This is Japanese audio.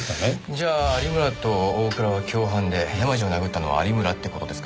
じゃあ有村と大倉は共犯で山路を殴ったのは有村って事ですか？